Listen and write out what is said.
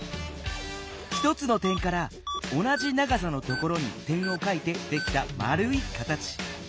１つの点から同じ長さのところに点をかいてできたまるい形。